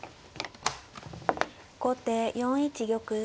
後手４一玉。